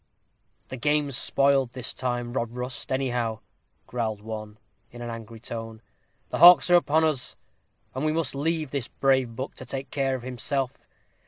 "The game's spoiled this time, Rob Rust, any how," growled one, in an angry tone; "the hawks are upon us, and we must leave this brave buck to take care of himself.